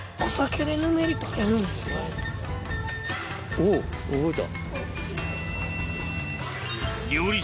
おぉ動いた。